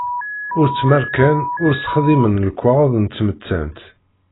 Ur tt-mmarkan ur s-xdimen lekwaɣeḍ n tmettant.